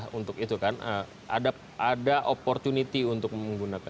ada celah untuk itu kan ada opportunity untuk menggunakan